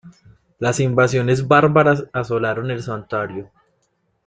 Las invasiones bárbaras asolaron el santuario.